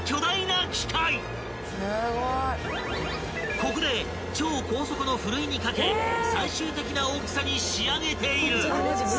［ここで超高速のふるいにかけ最終的な大きさに仕上げている］